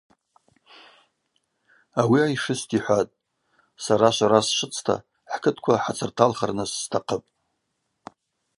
Ауи айшыста йхӏватӏ: Сара швара сшвыцта хӏкытква хӏацырталхырныс стахъыпӏ.